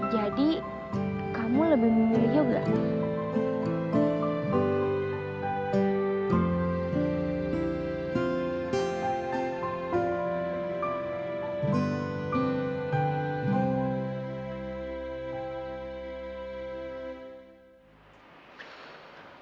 jadi kamu lebih menyayangi belakang